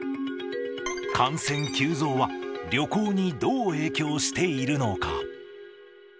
感染急増は、旅行にどう影響しているのか。